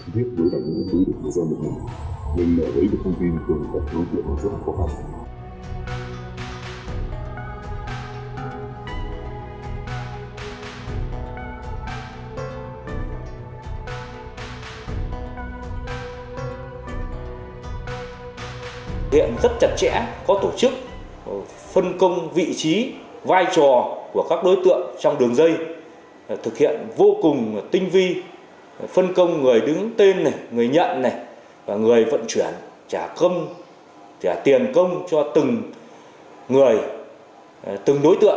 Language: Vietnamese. điện rất chặt chẽ có tổ chức phân công vị trí vai trò của các đối tượng trong đường dây thực hiện vô cùng tinh vi phân công người đứng tên người nhận người vận chuyển trả công trả tiền công cho từng người từng đối tượng